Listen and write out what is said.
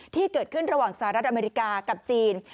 ที่เกิดขึ้นระหว่างสหรัฐอเมริกากับจีน